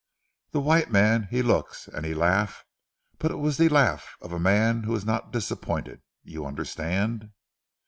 Ze white mans he look, an' he laugh, but it was ze laugh of a man who is not disappointed, you understand.